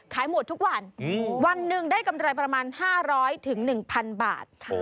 หมดทุกวันวันหนึ่งได้กำไรประมาณ๕๐๐๑๐๐บาท